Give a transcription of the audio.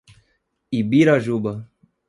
Ibirajuba